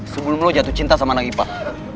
sebelum lo jatuh cinta sama nagi pak